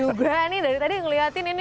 juga nih dari tadi ngeliatin ini